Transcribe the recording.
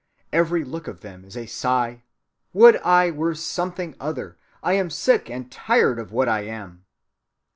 Every look of them is a sigh,—'Would I were something other! I am sick and tired of what I am.